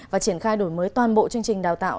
và triển khai đổi mới toàn bộ chương trình đào tạo